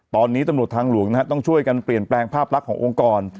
ตอนนี้ตำรวจทางหลวงต้องช่วยกันเปลี่ยนแปลงภาพลักษณ์ขององค์กร